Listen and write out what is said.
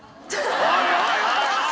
おいおいおいおい！